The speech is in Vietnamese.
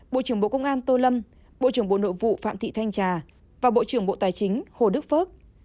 bộ trưởng bộ công an tô lâm bộ trưởng bộ nội vụ phạm thị thanh trà và bộ trưởng bộ tài chính hồ đức phước